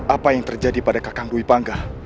apa yang terjadi pada kakang dwi panggah